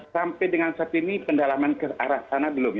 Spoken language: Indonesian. sampai dengan saat ini pendalaman ke arah sana belum